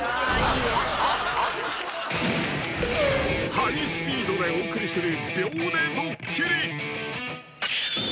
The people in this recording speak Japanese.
［ハイスピードでお送りする］